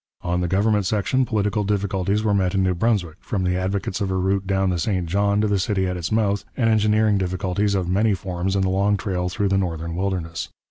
On the government section political difficulties were met in New Brunswick, from the advocates of a route down the St John to the city at its mouth, and engineering difficulties of many forms in the long trail through the northern wilderness.